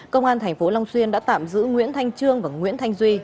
công an tp long xuyên đã tạm giữ nguyễn thanh trương và nguyễn thanh duy